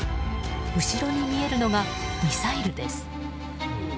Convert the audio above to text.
後ろに見えるのがミサイルです。